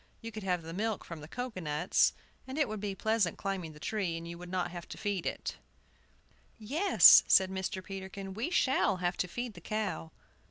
You could have the milk from the cocoa nuts, and it would be pleasant climbing the tree, and you would not have to feed it. "Yes," said Mr. Peterkin, "we shall have to feed the cow."